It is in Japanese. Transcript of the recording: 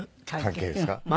関係ですか？